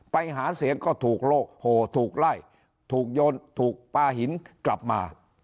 ไปหาเสียงก็ถูกโลกโผล่ถูกไล่ถูกโยนถูกปลาหินกลับมา